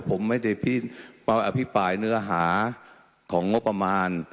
ผมไม่ได้อภิปรายเนื้อหาของงบประมาณ